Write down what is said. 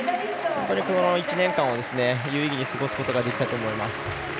この１年間を有意義に過ごすことができたと思います。